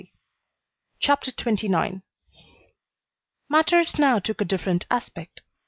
CHAPTER XXIX Matters now took a different aspect.